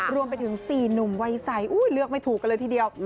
รวมไปถึงสี่หนุ่มวัยไสอู้ยเลือกไม่ถูกเลยทีเดียว